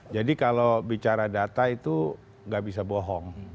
jadi kalau bicara data itu tidak bisa bohong